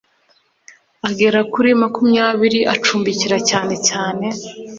agera kuri makumyabiri acumbikira cyanecyane